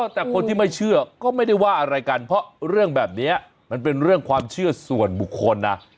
แต่คนที่ไม่เชื่อก็ไม่ได้ว่าอะไรกันเพราะเรื่องแบบนี้มันเป็นเรื่องความเชื่อส่วนบุคคลนะ